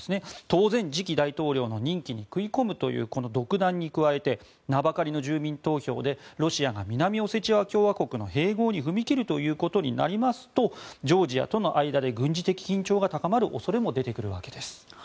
当然、次期大統領の任期に食い込むという独断に加えて名ばかりの住民投票でロシアが南オセチア共和国の併合に踏み切るということになりますとジョージアとの間で軍事的緊張が高まる恐れも出てくるわけです。